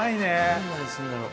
どんな味するんだろ？